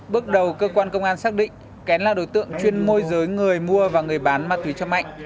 bước đầu cơ quan công an xác định kén là đối tượng chuyên môi giới người mua và người bán ma túy cho mạnh